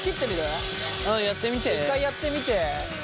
うんやってみて。